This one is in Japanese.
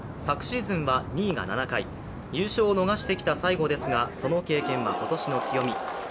昨シーズンは２位が７回、優勝を逃してきた西郷ですが、その経験は今年の強み。